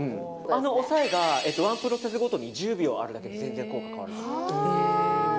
押さえがワンプロセスごとに１０秒あるだけで全然、効果が変わります。